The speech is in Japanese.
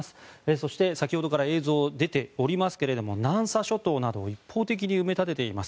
そして先ほどから映像が出ていますが南沙諸島などを一方的に埋め立てています。